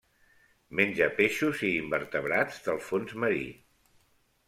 Menja peixos i invertebrats del fons marí.